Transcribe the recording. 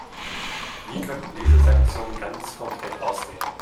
Wie könnten diese Sanktionen ganz konkret aussehen?